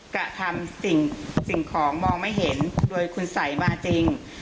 กระทำสิ่งของมองไม่เห็นโดยคุณสัยมาจริง